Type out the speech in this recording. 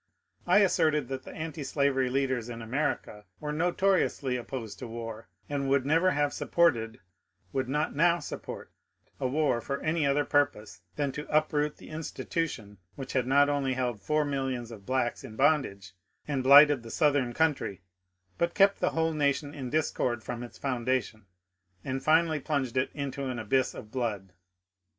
I asserted that the antislavery leaders in America were notoriously opposed to war, and would never have sap ported — would not now support — a war for any other pur pose than to uproot the institution which had not only held four millions of blacks in bondage and blighted the Southern country, but kept the whole nation in discord from its founda tion and finally plunged it into an abyss of Uood.